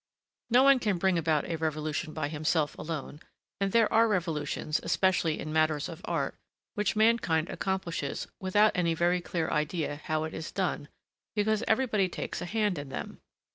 No one can bring about a revolution by himself alone, and there are revolutions, especially in matters of art, which mankind accomplishes without any very clear idea how it is done, because everybody takes a hand in them.